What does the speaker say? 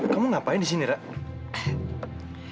kamu ngapain di sini rak